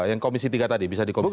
yang komisi tiga tadi bisa dikomisi tiga